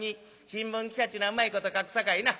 新聞記者っちゅうのはうまいこと書くさかいな。